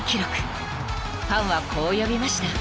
［ファンはこう呼びました］